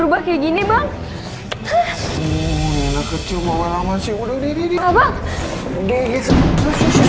pengangguran itu bebas coy